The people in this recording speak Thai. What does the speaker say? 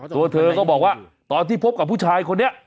ตัวเธอก็บอกว่าตอนที่พบกับผู้ชายคนนี้